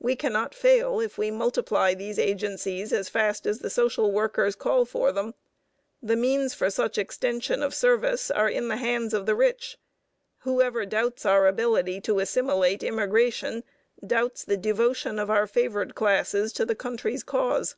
We cannot fail if we multiply these agencies as fast as the social workers call for them. The means for such extension of service are in the hands of the rich. Whoever doubts our ability to assimilate immigration doubts the devotion of our favored classes to the country's cause.